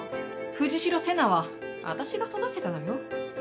藤代瀬那は私が育てたのよ。